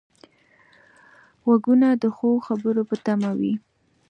غوږونه د ښو خبرو په تمه وي